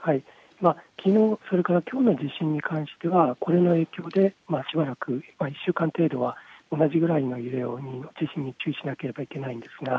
きのう、それからきょうの地震に関してはこれの影響でしばらく１週間程度は同じぐらいの揺れの地震に注意しなければいけない。